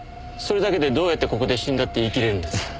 それだけでどうやってここで死んだって言い切れるんです？